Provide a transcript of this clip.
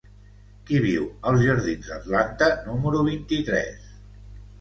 Qui viu als jardins d'Atlanta número vint-i-tres?